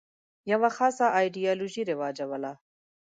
یوه خاصه ایدیالوژي رواجوله.